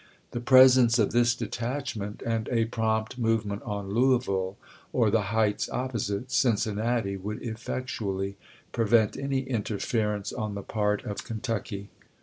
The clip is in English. The presence of this detachment and a prompt movement on Louisville or the heights opposite Cincinnati would effect ually prevent any interference on the part of Kentucky.